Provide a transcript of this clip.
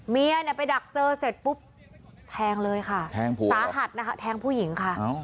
เมียเนี่ยไปดักเจอเสร็จปุ๊บแทงเลยค่ะแทงผมสาหัสนะคะแทงผู้หญิงค่ะ